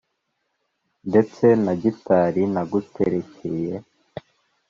Ndetse na Gitare naguterekeye